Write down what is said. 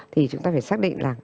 thì chúng ta phải xác định là